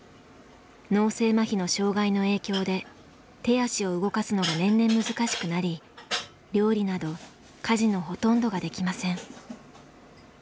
脳性まひの障害の影響で手足を動かすのが年々難しくなり料理など家事のほとんどができません。